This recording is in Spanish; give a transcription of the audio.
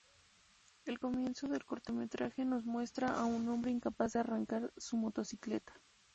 El comienzo del cortometraje nos muestra a un hombre incapaz de arrancar su motocicleta.